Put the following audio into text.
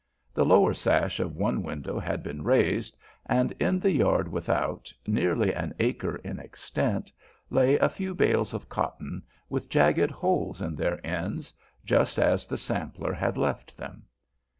The lower sash of one window had been raised, and in the yard without, nearly an acre in extent, lay a few bales of cotton, with jagged holes in their ends, just as the sampler had left them.